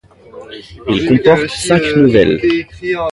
Il comporte cinq nouvelles.